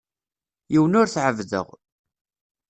Yiwen ur t-ɛebbdeɣ.